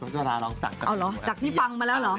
จากที่ฟังมาแล้วเหรอ